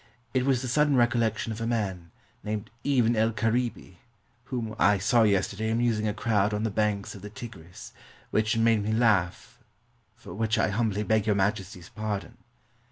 It was the sudden recollection of a man, named Ibn el Karibee, whom I saw yesterday amusing a crowd on the banks of the Tigris, which made me laugh, for which I humbly beg Your Majesty's pardon."